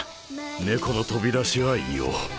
猫の飛び出しは言おう。